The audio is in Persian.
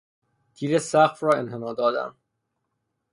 تیر سقف را انحنا دادن